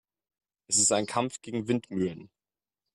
Es ist ein Kampf gegen Windmühlen.